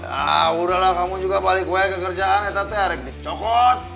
ya udahlah kamu juga balik ke kerjaan ya tadi harap dicokot